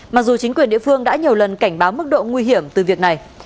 mặc dù chính quyền địa phương đã nhiều lần cảnh báo mức độ nguy hiểm từ việc này